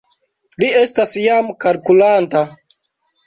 Li estas jam kalkulanta